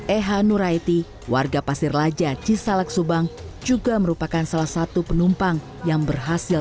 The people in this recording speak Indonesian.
eha nuraiti warga pasir laja cisalak subang juga merupakan salah satu penumpang yang berhasil